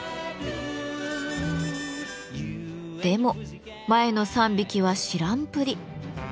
でも前の３匹は知らんぷり。